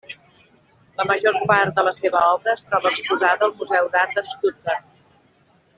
La major part de la seva obra es troba exposada al Museu d'Art de Stuttgart.